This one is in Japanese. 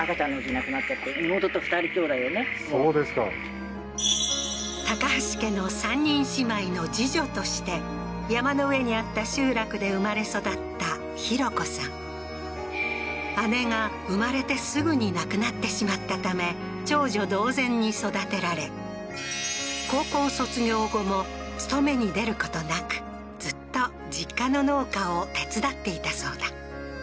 そうですかそうですか橋家の三人姉妹の次女として山の上にあった集落で生まれ育った弘子さん姉が生まれてすぐに亡くなってしまったため長女同然に育てられ高校卒業後も勤めに出ることなくずっと実家の農家を手伝っていたそうだ